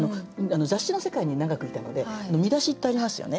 雑誌の世界に長くいたので見出しってありますよね